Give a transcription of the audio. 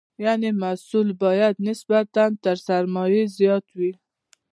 یعنې محصول باید نسبت تر سرمایې زیات وي.